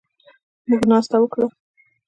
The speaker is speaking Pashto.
موږ ناسته وکړه